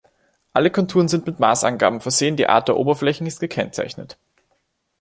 Alle Konturen sind mit Maßangaben versehen, die Art der Oberflächen ist gekennzeichnet.